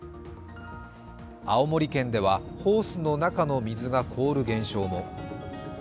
青森県ではホースの中の水が凍る現象も。